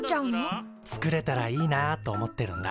つくれたらいいなあと思ってるんだ。